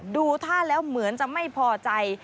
ดูท่าแล้วเหมือนจะไม่พอใจ